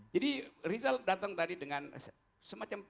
jadi rizal datang tadi dengan semacam